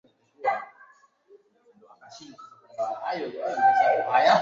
Hata kama usafi kiasi unafaa ili kuzuia shida mbaya za afya